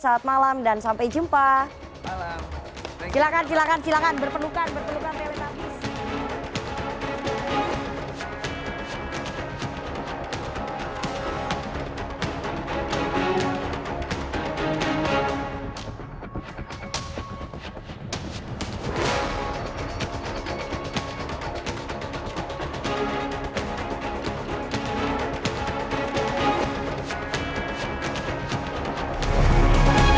selamat malam dan sampai jumpa silakan silakan silakan berpenuhkan berpenuhkan